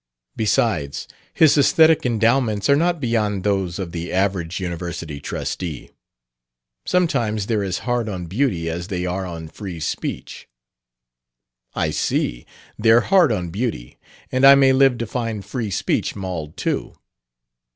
Besides, his aesthetic endowments are not beyond those of the average university trustee. Sometimes they're as hard on Beauty as they are on Free Speech." "I see they're hard on beauty; and I may live to find free speech mauled, too."